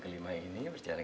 terima kasih sayang